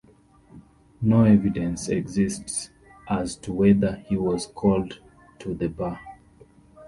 No evidence exists as to whether he was called to the bar.